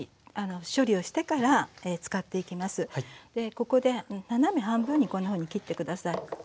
ここで斜め半分にこんなふうに切って下さい。